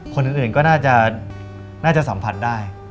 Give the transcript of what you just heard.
คนอื่นก็น่าจะสัมผัสได้